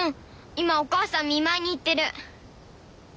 今お母さん見舞いに行ってる。